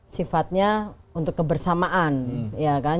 sifatnya untuk kebersamaan